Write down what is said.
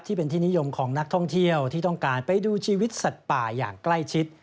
ที่เป็นที่นิยมของนักท่องเที่ยวที่ต้องการไปดูชีวิตสัตว์ป่าอย่างใกล้ชิด